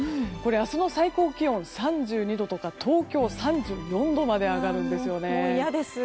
明日の最高気温、３２度とか東京、３４度まで上がるんですよね。